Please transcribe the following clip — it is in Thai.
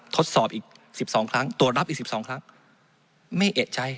ทดสอบตรวจรับอีก๑๒ครั้งไม่เอกใจ